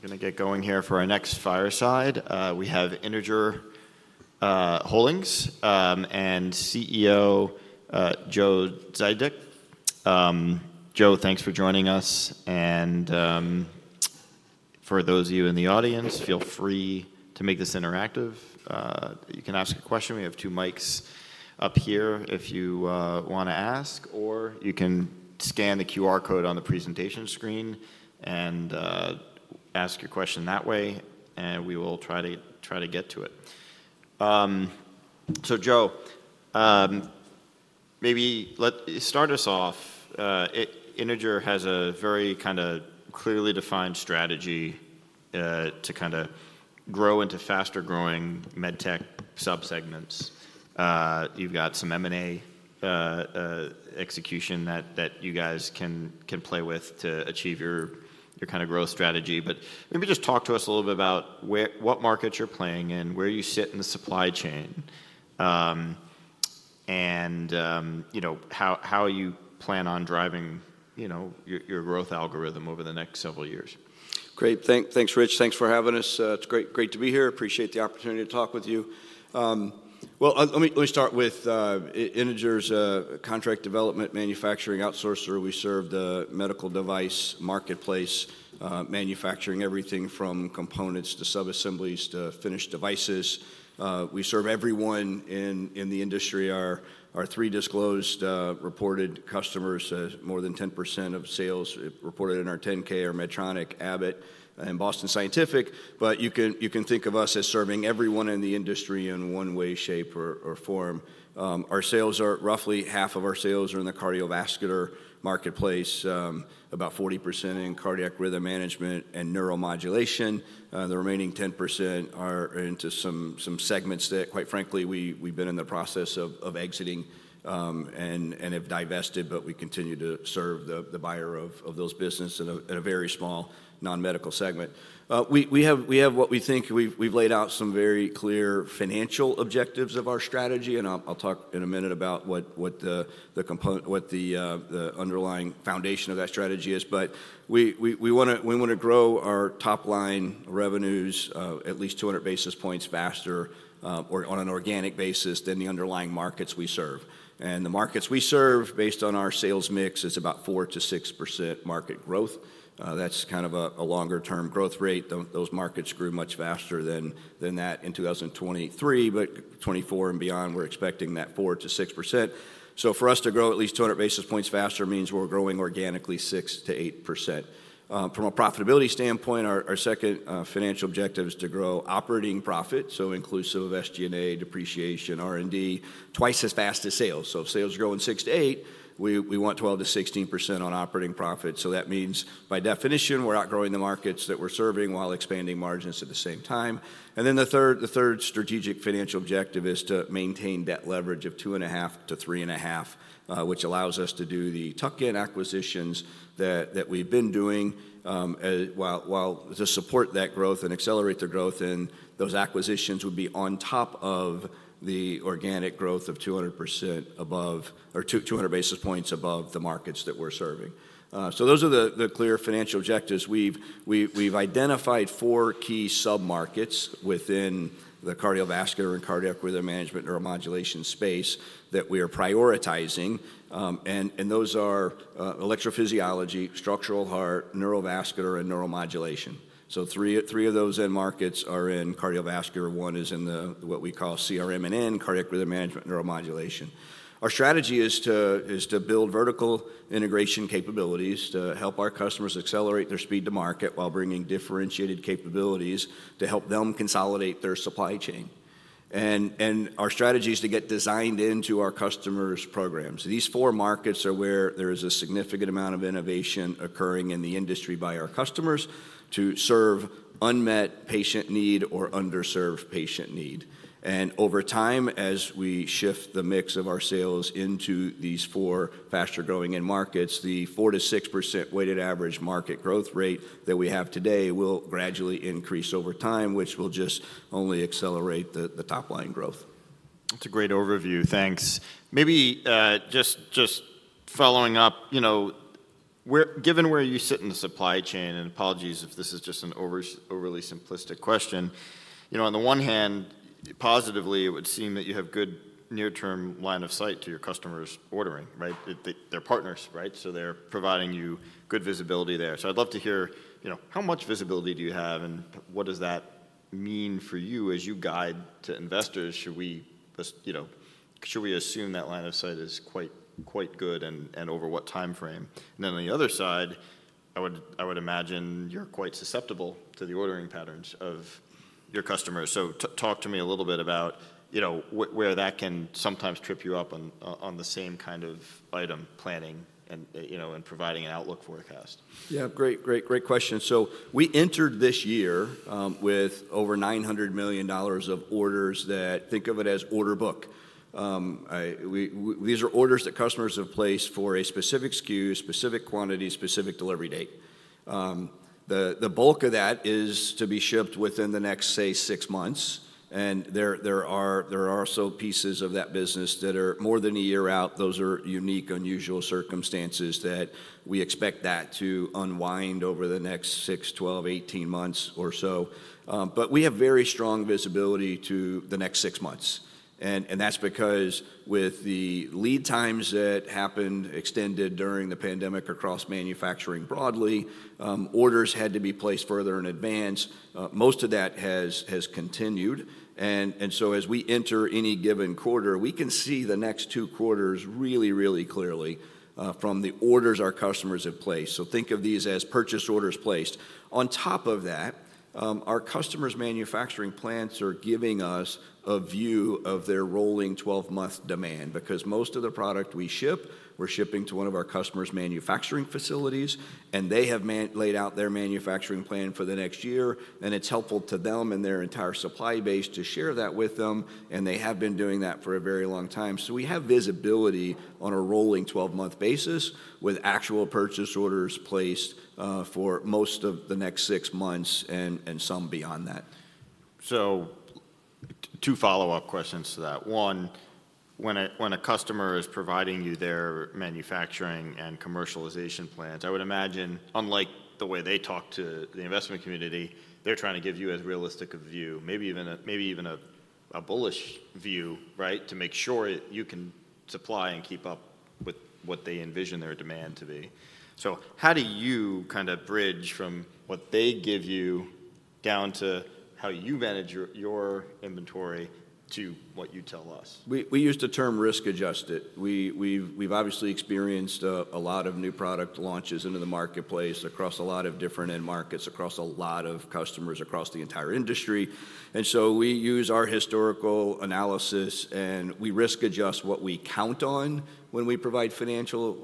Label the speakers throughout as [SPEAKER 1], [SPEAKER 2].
[SPEAKER 1] I'm gonna get going here for our next fireside. We have Integer Holdings and CEO Joe Dziedzic. Joe, thanks for joining us, and for those of you in the audience, feel free to make this interactive. You can ask a question. We have two mics up here if you wanna ask, or you can scan the QR code on the presentation screen and ask your question that way, and we will try to get to it. So Joe, maybe start us off. Integer has a very kind of clearly defined strategy to kind of grow into faster-growing medtech subsegments. You've got some M&A execution that you guys can play with to achieve your kind of growth strategy. Maybe just talk to us a little bit about where, what markets you're playing in, where you sit in the supply chain, and you know, how you plan on driving you know, your growth algorithm over the next several years.
[SPEAKER 2] Great. Thanks, Rich. Thanks for having us. It's great to be here. Appreciate the opportunity to talk with you. Let me start with Integer's contract development and manufacturing organization. We serve the medical device marketplace, manufacturing everything from components to subassemblies to finished devices. We serve everyone in the industry. Our three disclosed, reported customers, more than 10% of sales reported in our 10-K, are Medtronic, Abbott, and Boston Scientific. But you can think of us as serving everyone in the industry in one way, shape, or form. Our sales are. Roughly half of our sales are in the cardiovascular marketplace, about 40% in cardiac rhythm management and neuromodulation. The remaining 10% are into some segments that, quite frankly, we've been in the process of exiting, and have divested, but we continue to serve the buyer of those business in a very small non-medical segment. We have what we think. We've laid out some very clear financial objectives of our strategy, and I'll talk in a minute about what the component, what the underlying foundation of that strategy is. But we wanna grow our top-line revenues at least 200 basis points faster, or on an organic basis than the underlying markets we serve. And the markets we serve, based on our sales mix, is about 4%-6% market growth. That's kind of a longer-term growth rate. Those markets grew much faster than that in 2023, but 2024 and beyond, we're expecting that 4% to 6%. So for us to grow at least 200 basis points faster means we're growing organically 6% to 8%. From a profitability standpoint, our second financial objective is to grow operating profit, so inclusive of SG&A, depreciation, R&D, twice as fast as sales. So if sales are growing 6% to 8%, we want 12% to 16% on operating profit. So that means, by definition, we're outgrowing the markets that we're serving while expanding margins at the same time. Then the third strategic financial objective is to maintain debt leverage of 2.5 to 3.5, which allows us to do the tuck-in acquisitions that we've been doing, while to support that growth and accelerate their growth, and those acquisitions would be on top of the organic growth of 200% above or 200 basis points above the markets that we're serving. So those are the clear financial objectives. We've identified four key submarkets within the cardiovascular and cardiac rhythm management neuromodulation space that we are prioritizing, and those are electrophysiology, structural heart, neurovascular, and neuromodulation. So three of those end markets are in cardiovascular. One is in the what we call CRM&N, cardiac rhythm management, neuromodulation. Our strategy is to build vertical integration capabilities to help our customers accelerate their speed to market while bringing differentiated capabilities to help them consolidate their supply chain. Our strategy is to get designed into our customers' programs. These four markets are where there is a significant amount of innovation occurring in the industry by our customers to serve unmet patient need or underserved patient need. Over time, as we shift the mix of our sales into these four faster-growing end markets, the 4% to 6% weighted average market growth rate that we have today will gradually increase over time, which will just only accelerate the top-line growth.
[SPEAKER 1] It's a great overview. Thanks. Maybe just following up, you know, where, given where you sit in the supply chain, and apologies if this is just an overly simplistic question. You know, on the one hand, positively, it would seem that you have good near-term line of sight to your customers' ordering, right? They're partners, right? So they're providing you good visibility there. So I'd love to hear, you know, how much visibility do you have, and what does that mean for you as you guide to investors? Should we just, you know, should we assume that line of sight is quite good, and over what time frame? And then on the other side, I would imagine you're quite susceptible to the ordering patterns of your customers. So talk to me a little bit about, you know, where that can sometimes trip you up on, on the same kind of item planning and, you know, and providing an outlook forecast.
[SPEAKER 2] Yeah, great, great, great question. So we entered this year with over $900 million of orders that. Think of it as order book. These are orders that customers have placed for a specific SKU, specific quantity, specific delivery date. The bulk of that is to be shipped within the next, say, six months. And there are also pieces of that business that are more than a year out. Those are unique, unusual circumstances that we expect that to unwind over the next six, 12, 18 months or so. But we have very strong visibility to the next six months, and that's because with the lead times that happened, extended during the pandemic across manufacturing broadly, orders had to be placed further in advance. Most of that has continued, and so as we enter any given quarter, we can see the next two quarters really, really clearly, from the orders our customers have placed. So think of these as purchase orders placed. On top of that, our customers' manufacturing plants are giving us a view of their rolling 12-month demand, because most of the product we ship, we're shipping to one of our customers' manufacturing facilities, and they have laid out their manufacturing plan for the next year, and it's helpful to them and their entire supply base to share that with them, and they have been doing that for a very long time. So we have visibility on a rolling 12-month basis, with actual purchase orders placed, for most of the next six months, and some beyond that.
[SPEAKER 1] So two follow-up questions to that. One, when a customer is providing you their manufacturing and commercialization plans, I would imagine, unlike the way they talk to the investment community, they're trying to give you as realistic a view, maybe even a bullish view, right? To make sure you can supply and keep up with what they envision their demand to be. So how do you kind of bridge from what they give you, down to how you manage your, your inventory, to what you tell us?
[SPEAKER 2] We use the term risk-adjusted. We've obviously experienced a lot of new product launches into the marketplace across a lot of different end markets, across a lot of customers across the entire industry. And so we use our historical analysis, and we risk-adjust what we count on when we provide financial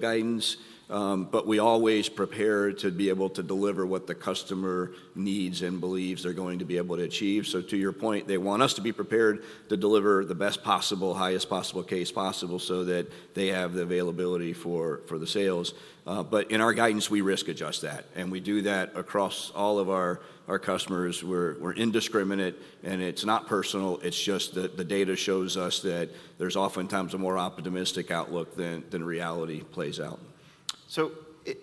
[SPEAKER 2] guidance. But we always prepare to be able to deliver what the customer needs and believes they're going to be able to achieve. So to your point, they want us to be prepared to deliver the best possible, highest possible case possible, so that they have the availability for the sales. But in our guidance, we risk-adjust that, and we do that across all of our customers. We're indiscriminate, and it's not personal, it's just that the data shows us that there's oftentimes a more optimistic outlook than reality plays out.
[SPEAKER 1] So,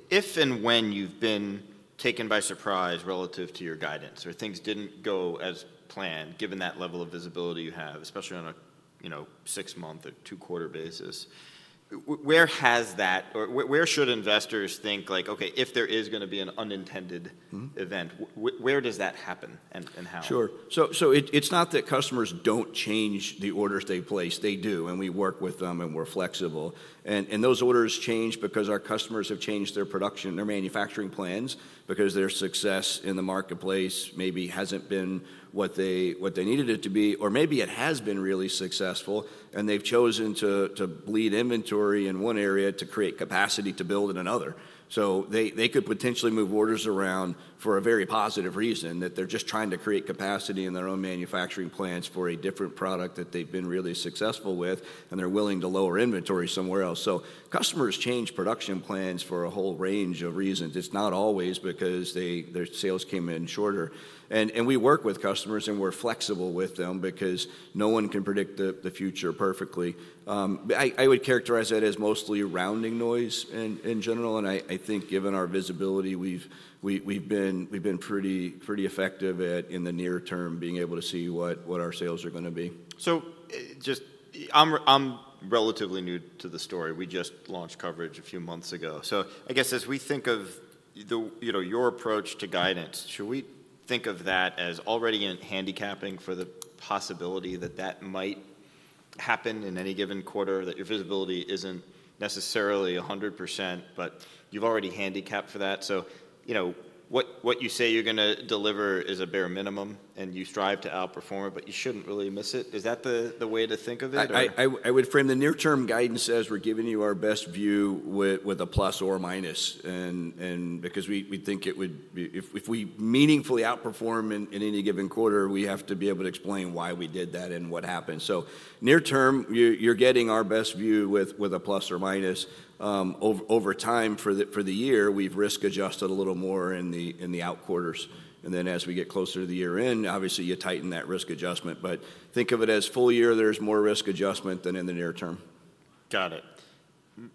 [SPEAKER 1] if and when you've been taken by surprise relative to your guidance, or things didn't go as planned, given that level of visibility you have, especially on a, you know, six-month or two-quarter basis, where has that or where should investors think, like, okay, if there is gonna be an unintended-
[SPEAKER 2] Mm-hmm.
[SPEAKER 1] Where does that happen and how?
[SPEAKER 2] Sure. So it’s not that customers don’t change the orders they place. They do, and we work with them, and we’re flexible. And those orders change because our customers have changed their production, their manufacturing plans, because their success in the marketplace maybe hasn’t been what they needed it to be, or maybe it has been really successful, and they’ve chosen to bleed inventory in one area to create capacity to build in another. So they could potentially move orders around for a very positive reason, that they’re just trying to create capacity in their own manufacturing plants for a different product that they’ve been really successful with, and they’re willing to lower inventory somewhere else. So customers change production plans for a whole range of reasons. It’s not always because their sales came in shorter. And we work with customers, and we're flexible with them because no one can predict the future perfectly. But I would characterize that as mostly rounding noise in general, and I think given our visibility, we've been pretty effective at in the near term being able to see what our sales are gonna be.
[SPEAKER 1] So just, I'm relatively new to the story. We just launched coverage a few months ago. So I guess as we think of the, you know, your approach to guidance, should we think of that as already in handicapping for the possibility that that might happen in any given quarter, that your visibility isn't necessarily 100%, but you've already handicapped for that? So, you know, what, what you say you're gonna deliver is a bare minimum, and you strive to outperform it, but you shouldn't really miss it. Is that the, the way to think of it, or?
[SPEAKER 2] I would frame the near-term guidance as we're giving you our best view with a plus or minus. And because we think it would be meaningfully outperform in any given quarter, we have to be able to explain why we did that and what happened. So near term, you're getting our best view with a plus or minus. Over time, for the year, we've risk-adjusted a little more in the out quarters. And then, as we get closer to the year-end, obviously you tighten that risk adjustment. But think of it as full year, there's more risk adjustment than in the near term.
[SPEAKER 1] Got it.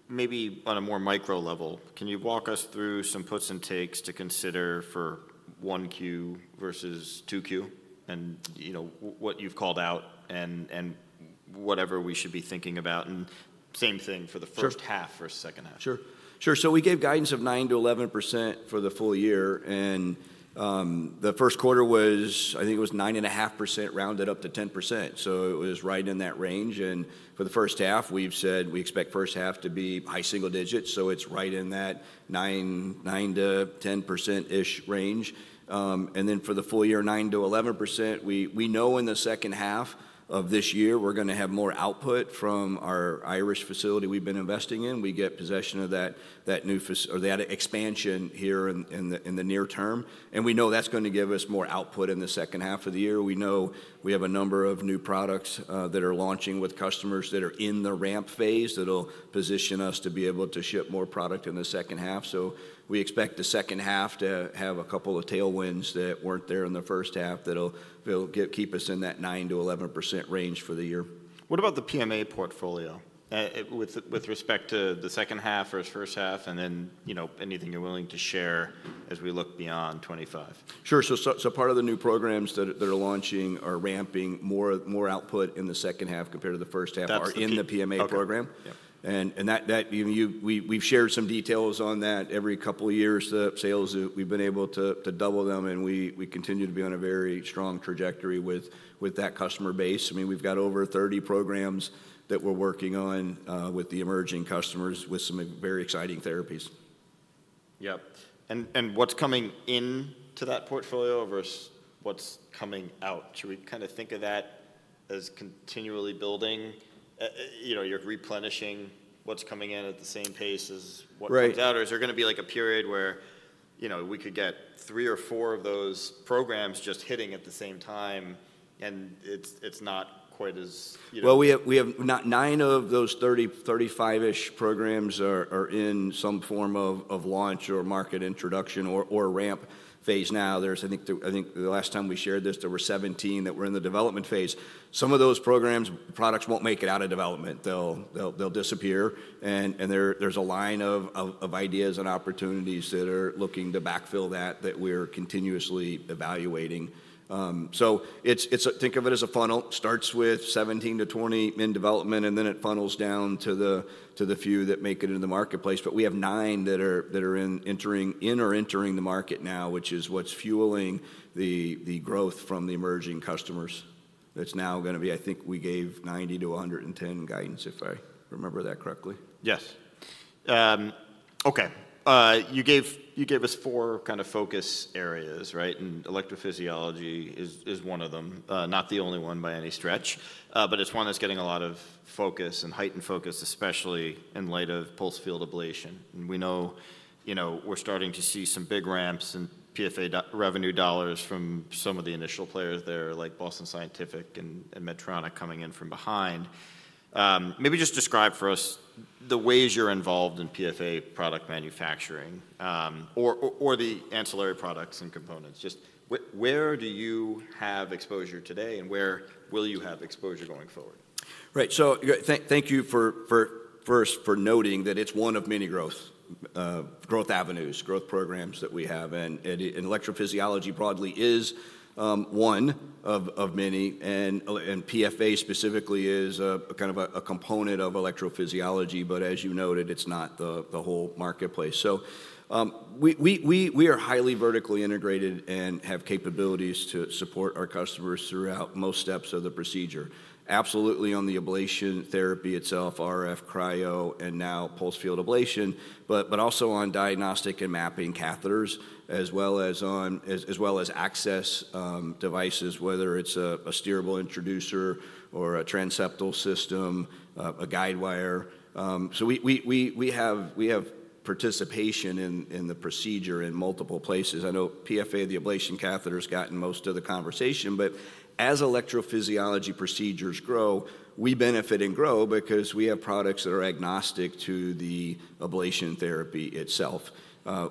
[SPEAKER 1] Maybe on a more micro level, can you walk us through some puts and takes to consider for 1Q versus 2Q? And, you know, what you've called out and whatever we should be thinking about, and same thing for the-
[SPEAKER 2] Sure.
[SPEAKER 1] First half or second half?
[SPEAKER 2] Sure. Sure, so we gave guidance of 9% to 11% for the full year, and, the Q1 was, I think it was 9.5% rounded up to 10%, so it was right in that range. And for the first half, we've said we expect first half to be high single digits, so it's right in that 9, 9% to 10% ish range. And then for the full year, 9% to 11%. We know in the second half of this year, we're gonna have more output from our Irish facility we've been investing in. We get possession of that new facility or that expansion here in the near term, and we know that's going to give us more output in the second half of the year. We know we have a number of new products that are launching with customers that are in the ramp phase that'll position us to be able to ship more product in the second half. So we expect the second half to have a couple of tailwinds that weren't there in the first half that'll keep us in that 9% to 11% range for the year.
[SPEAKER 1] What about the PMA portfolio? With respect to the second half versus first half, and then, you know, anything you're willing to share as we look beyond 25.
[SPEAKER 2] Sure. So, part of the new programs that are launching or ramping more output in the second half compared to the first half-
[SPEAKER 1] That's the-
[SPEAKER 2] -are in the PMA program.
[SPEAKER 1] Okay. Yep.
[SPEAKER 2] And that we've shared some details on that. Every couple of years, the sales, we've been able to double them, and we continue to be on a very strong trajectory with that customer base. I mean, we've got over 30 programs that we're working on with the emerging customers with some very exciting therapies.
[SPEAKER 1] Yep. And what's coming into that portfolio versus what's coming out? Should we kind of think of that as continually building? You know, you're replenishing what's coming in at the same pace as what-
[SPEAKER 2] Right.
[SPEAKER 1] -comes out, or is there going to be like a period where, you know, we could get 3 or 4 of those programs just hitting at the same time, and it's, it's not quite as, you know-
[SPEAKER 2] Well, we have nine of those 30 to 35-ish programs that are in some form of launch or market introduction or ramp phase now. There's, I think the last time we shared this, there were 17 that were in the development phase. Some of those programs, products won't make it out of development. They'll disappear, and there's a line of ideas and opportunities that are looking to backfill that that we're continuously evaluating. So it's, think of it as a funnel. Starts with 17 to 20 in development, and then it funnels down to the few that make it in the marketplace. But we have nine that are entering, in or entering the market now, which is what's fueling the growth from the emerging customers. That's now gonna be, I think we gave 90 to 110 guidance, if I remember that correctly.
[SPEAKER 1] Yes. Okay. You gave, you gave us four kind of focus areas, right? And electrophysiology is, is one of them. Not the only one by any stretch, but it's one that's getting a lot of focus and heightened focus, especially in light of pulsed field ablation. And we know, you know, we're starting to see some big ramps in PFA revenue dollars from some of the initial players there, like Boston Scientific and, and Medtronic coming in from behind. Maybe just describe for us the ways you're involved in PFA product manufacturing, or, or the ancillary products and components. Just where do you have exposure today, and where will you have exposure going forward?
[SPEAKER 2] Right. So thank you for first noting that it's one of many growth avenues, growth programs that we have, and electrophysiology broadly is one of many, and PFA specifically is a kind of a component of electrophysiology, but as you noted, it's not the whole marketplace. So, we are highly vertically integrated and have capabilities to support our customers throughout most steps of the procedure. Absolutely, on the ablation therapy itself, RF, cryo, and now pulsed field ablation, but also on diagnostic and mapping catheters, as well as access devices, whether it's a steerable introducer or a transseptal system, a guidewire. So we have participation in the procedure in multiple places. I know PFA, the ablation catheter, has gotten most of the conversation, but as electrophysiology procedures grow, we benefit and grow because we have products that are agnostic to the ablation therapy itself.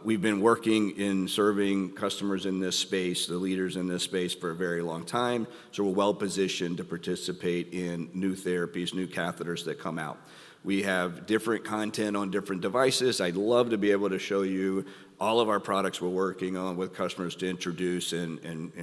[SPEAKER 2] We've been working in serving customers in this space, the leaders in this space, for a very long time, so we're well-positioned to participate in new therapies, new catheters that come out. We have different content on different devices. I'd love to be able to show you all of our products we're working on with customers to introduce and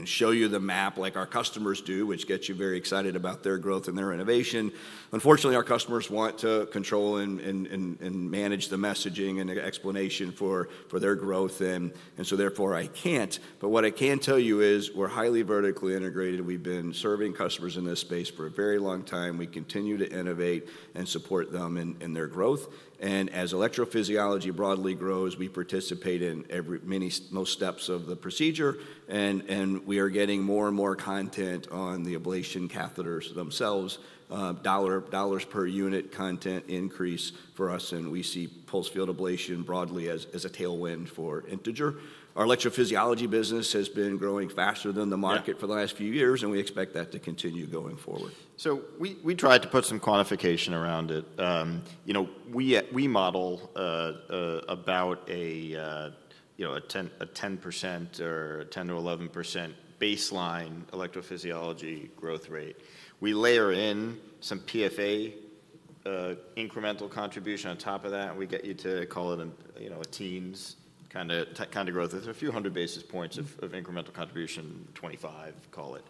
[SPEAKER 2] show you the map, like our customers do, which gets you very excited about their growth and their innovation. Unfortunately, our customers want to control and manage the messaging and the explanation for their growth, and so therefore, I can't. But what I can tell you is we're highly vertically integrated. We've been serving customers in this space for a very long time. We continue to innovate and support them in their growth. And as electrophysiology broadly grows, we participate in many, most steps of the procedure, and we are getting more and more content on the ablation catheters themselves, dollars per unit content increase for us, and we see pulsed field ablation broadly as a tailwind for Integer. Our electrophysiology business has been growing faster than the market-
[SPEAKER 1] Yeah...
[SPEAKER 2] for the last few years, and we expect that to continue going forward.
[SPEAKER 1] So we tried to put some quantification around it. You know, we model about a 10% or a 10% to 11% baseline electrophysiology growth rate. We layer in some PFA incremental contribution on top of that, we get you to call it an, you know, a teens kind of growth. There's a few hundred basis points of incremental contribution, 25, call it.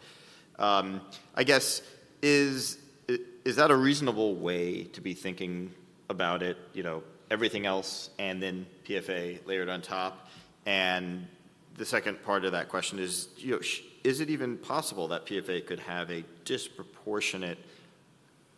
[SPEAKER 1] I guess, is that a reasonable way to be thinking about it? You know, everything else, and then PFA layered on top. And the second part of that question is, you know, is it even possible that PFA could have a disproportionate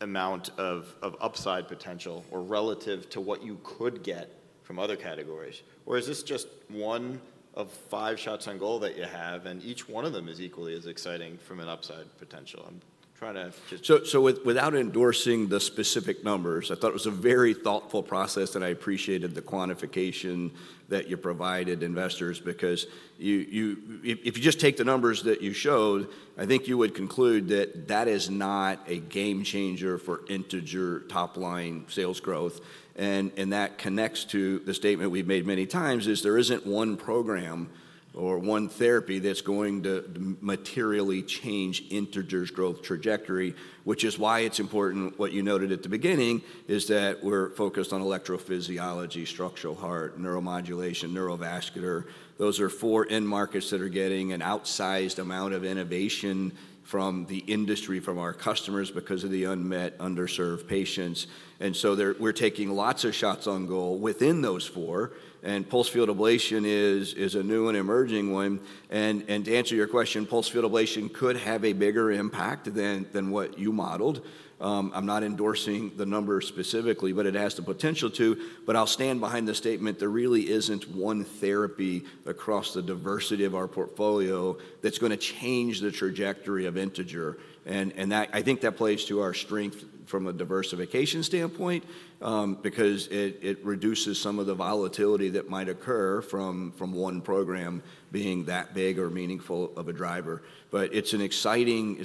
[SPEAKER 1] amount of upside potential or relative to what you could get from other categories? Or is this just one of five shots on goal that you have, and each one of them is equally as exciting from an upside potential? I'm trying to just-
[SPEAKER 2] So, without endorsing the specific numbers, I thought it was a very thoughtful process, and I appreciated the quantification that you provided investors because you if you just take the numbers that you showed, I think you would conclude that that is not a game changer for Integer top-line sales growth. And that connects to the statement we've made many times, is there isn't one program or one therapy that's going to materially change Integer's growth trajectory, which is why it's important what you noted at the beginning is that we're focused on electrophysiology, structural heart, neuromodulation, neurovascular. Those are four end markets that are getting an outsized amount of innovation from the industry, from our customers, because of the unmet, underserved patients. And so we're taking lots of shots on goal within those four, and pulsed field ablation is a new and emerging one. And to answer your question, pulsed field ablation could have a bigger impact than what you modeled. I'm not endorsing the number specifically, but it has the potential to. But I'll stand behind the statement, there really isn't one therapy across the diversity of our portfolio that's gonna change the trajectory of Integer. And that I think that plays to our strength from a diversification standpoint, because it reduces some of the volatility that might occur from one program being that big or meaningful of a driver. But it's an exciting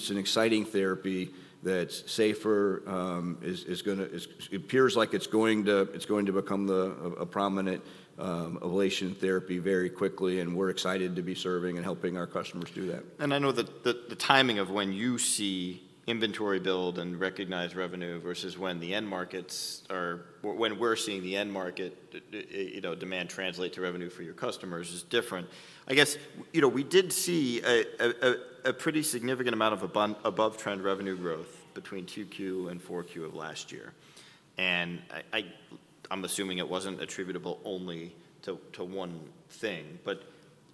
[SPEAKER 2] therapy that's safer. It appears like it's going to become a prominent ablation therapy very quickly, and we're excited to be serving and helping our customers do that.
[SPEAKER 1] And I know that the timing of when you see inventory build and recognize revenue versus when the end markets are, when we're seeing the end market, you know, demand translate to revenue for your customers is different. I guess, you know, we did see a pretty significant amount of above-trend revenue growth between 2Q and 4Q of last year. And I'm assuming it wasn't attributable only to one thing, but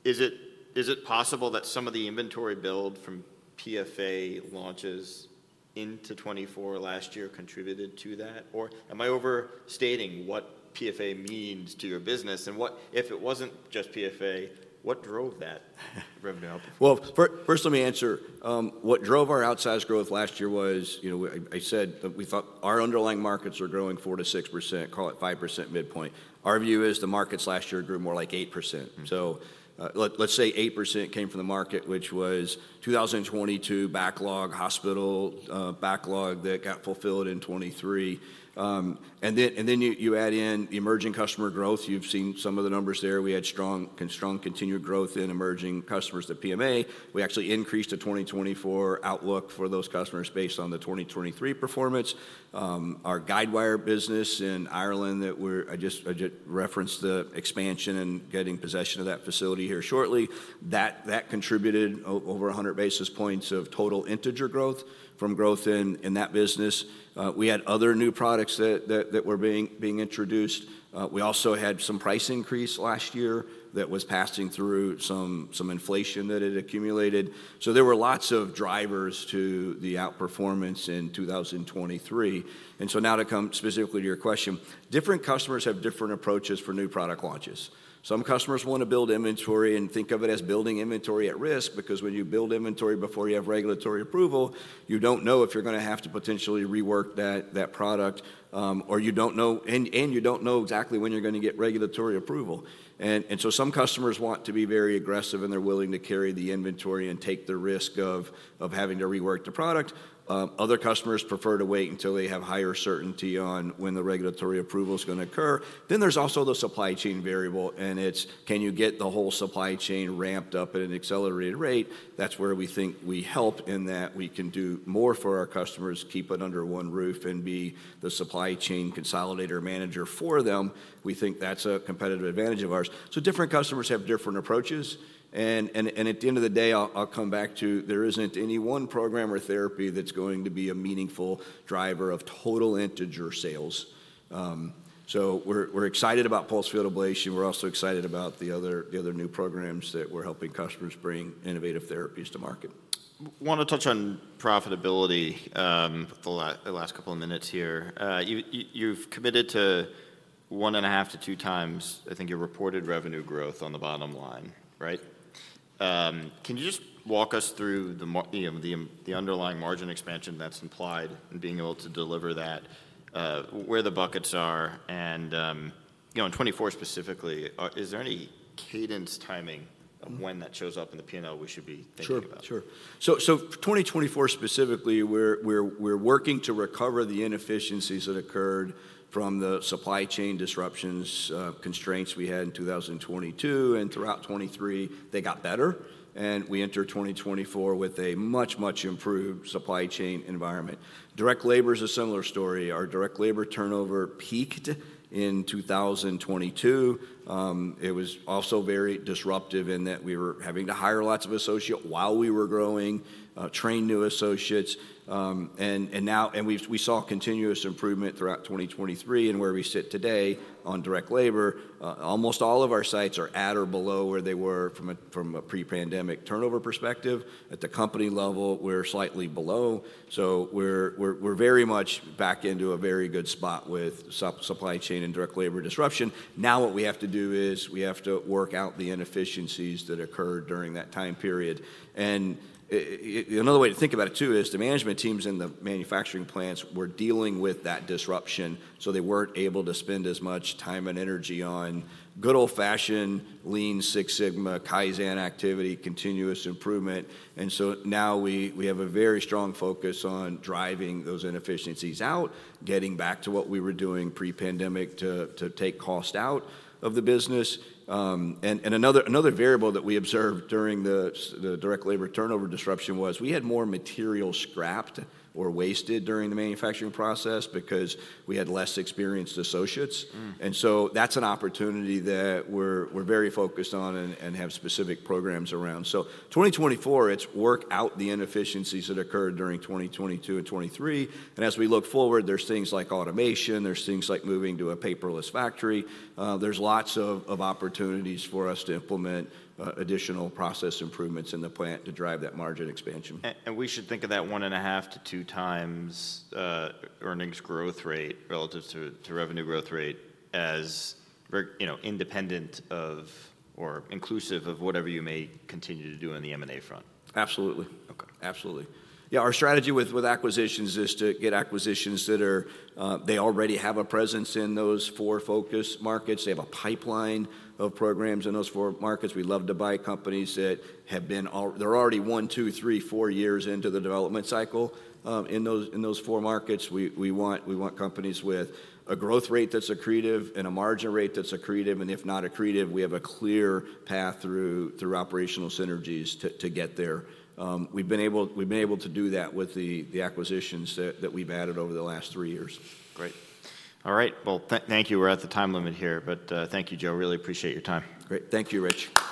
[SPEAKER 1] is it possible that some of the inventory build from PFA launches into 2024 last year contributed to that? Or am I overstating what PFA means to your business? And what if it wasn't just PFA, what drove that revenue up?
[SPEAKER 2] Well, first, let me answer what drove our outsized growth last year was, you know, I said that we thought our underlying markets were growing 4% to 6%, call it 5% midpoint. Our view is the markets last year grew more like 8%. So, let's say 8% came from the market, which was 2022 backlog, hospital backlog that got fulfilled in 2023. And then you add in emerging customer growth. You've seen some of the numbers there. We had strong continued growth in emerging customers to PMA. We actually increased the 2024 outlook for those customers based on the 2023 performance. Our guidewire business in Ireland that I just referenced the expansion and getting possession of that facility here shortly. That contributed over 100 basis points of total Integer growth from growth in that business. We had other new products that were being introduced. We also had some price increase last year that was passing through some inflation that had accumulated. So there were lots of drivers to the outperformance in 2023. So now to come specifically to your question, different customers have different approaches for new product launches. Some customers want to build inventory and think of it as building inventory at risk, because when you build inventory before you have regulatory approval, you don't know if you're gonna have to potentially rework that product, or you don't know and you don't know exactly when you're gonna get regulatory approval. And so some customers want to be very aggressive, and they're willing to carry the inventory and take the risk of having to rework the product. Other customers prefer to wait until they have higher certainty on when the regulatory approval is gonna occur. Then there's also the supply chain variable, and it's can you get the whole supply chain ramped up at an accelerated rate? That's where we think we help in that we can do more for our customers, keep it under one roof, and be the supply chain consolidator manager for them. We think that's a competitive advantage of ours. So different customers have different approaches, and at the end of the day, I'll come back to there isn't any one program or therapy that's going to be a meaningful driver of total Integer sales. So, we're excited about pulsed field ablation. We're also excited about the other new programs that we're helping customers bring innovative therapies to market.
[SPEAKER 1] Wanna touch on profitability, the last couple of minutes here. You've committed to 1.5 to 2 times, I think, your reported revenue growth on the bottom line, right? Can you just walk us through the underlying margin expansion that's implied in being able to deliver that, where the buckets are? And you know, in 2024 specifically, is there any cadence timing of when that shows up in the P&L we should be thinking about?
[SPEAKER 2] Sure, sure. So, 2024 specifically, we're working to recover the inefficiencies that occurred from the supply chain disruptions, constraints we had in 2022 and throughout 2023. They got better, and we entered 2024 with a much, much improved supply chain environment. Direct labor is a similar story. Our direct labor turnover peaked in 2022. It was also very disruptive in that we were having to hire lots of associates while we were growing, train new associates. And now we saw continuous improvement throughout 2023. And where we sit today on direct labor, almost all of our sites are at or below where they were from a pre-pandemic turnover perspective. At the company level, we're slightly below, so we're very much back into a very good spot with supply chain and direct labor disruption. Now, what we have to do is we have to work out the inefficiencies that occurred during that time period. And another way to think about it, too, is the management teams in the manufacturing plants were dealing with that disruption, so they weren't able to spend as much time and energy on good old-fashioned Lean Six Sigma, Kaizen activity, continuous improvement. And so now we have a very strong focus on driving those inefficiencies out, getting back to what we were doing pre-pandemic to take cost out of the business. Another variable that we observed during the direct labor turnover disruption was we had more material scrapped or wasted during the manufacturing process because we had less experienced associates.
[SPEAKER 1] Mm.
[SPEAKER 2] And so that's an opportunity that we're very focused on and have specific programs around. So 2024, it's work out the inefficiencies that occurred during 2022 and 2023. And as we look forward, there's things like automation, there's things like moving to a paperless factory. There's lots of opportunities for us to implement additional process improvements in the plant to drive that margin expansion.
[SPEAKER 1] We should think of that 1.5 to 2 times earnings growth rate relative to revenue growth rate as very, you know, independent of or inclusive of whatever you may continue to do on the M&A front?
[SPEAKER 2] Absolutely.
[SPEAKER 1] Okay.
[SPEAKER 2] Absolutely. Yeah, our strategy with acquisitions is to get acquisitions that are, they already have a presence in those four focus markets. They have a pipeline of programs in those four markets. We love to buy companies that have been, they're already one, two, three, four years into the development cycle, in those four markets. We want companies with a growth rate that's accretive and a margin rate that's accretive, and if not accretive, we have a clear path through operational synergies to get there. We've been able to do that with the acquisitions that we've added over the last three years.
[SPEAKER 1] Great. All right. Well, thank you. We're at the time limit here, but thank you, Joe. Really appreciate your time.
[SPEAKER 2] Great. Thank you, Rich.